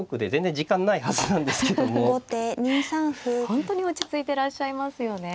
本当に落ち着いてらっしゃいますよね。